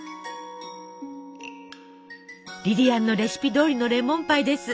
リリアンのレシピどおりのレモンパイです。